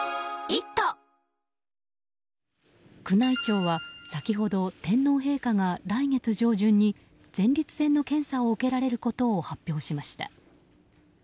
宮内庁は先ほど天皇陛下が来月上旬に前立腺の検査を受けられることを発表しました。